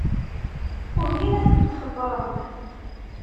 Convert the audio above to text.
Ugin ad tent-xebbren.